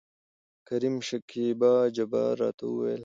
کريم : شکيبا جبار راته وايي.